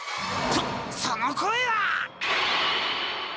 そその声は！？